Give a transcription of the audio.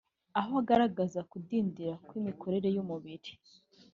aho agaragaza kudindira kw’imikorere y’umubiri